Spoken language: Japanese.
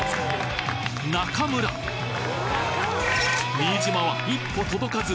新島は一歩届かず２位